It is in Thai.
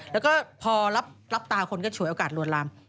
แล้วก็พอรับตาคนก็ฉวยโอกาสลวนลาม